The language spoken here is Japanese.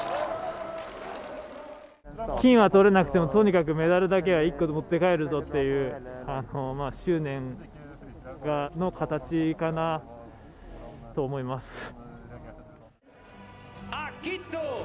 金はとれなくてもとにかくメダルだけは１個持って帰るぞっていう執念の形かなと思います。